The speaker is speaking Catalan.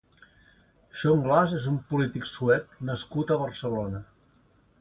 John Glas és un polític suec nascut a Barcelona.